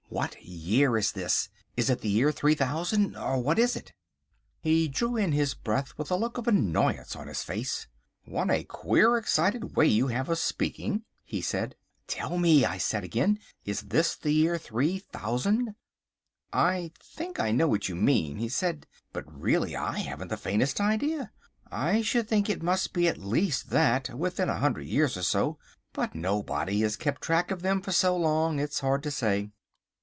What year is this; is it the year 3000, or what is it?" He drew in his breath with a look of annoyance on his face. "What a queer, excited way you have of speaking," he said. "Tell me," I said again, "is this the year 3000?" "I think I know what you mean," he said; "but really I haven't the faintest idea. I should think it must be at least that, within a hundred years or so; but nobody has kept track of them for so long, it's hard to say."